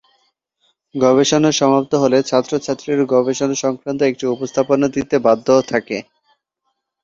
গবেষণা সমাপ্ত হলে ছাত্রছাত্রীরা গবেষণা সংক্রান্ত একটি উপস্থাপনা দিতে বাধ্য থাকে।